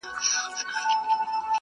له پیشو یې ورته جوړه ښه نجلۍ کړه٫